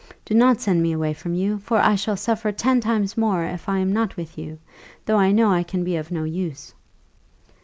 Do not send me away from you; for I shall suffer ten times more if I am not with you, though I know I can be of no use."